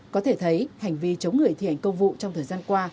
có thể thấy hành vi chống người thi hành công vụ trong thời gian qua